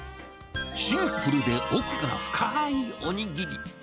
シンプルで奥が深ーいおにぎり。